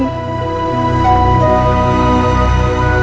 tuhan aku penuh